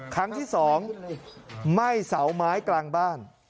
ครั้งที่๒ไหม้เสาไม้กลางบ้าน